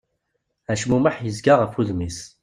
Acmumeḥ yezga ɣef wudem-is.